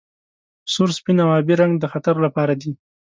سور سپین او ابي رنګ د خطر لپاره دي.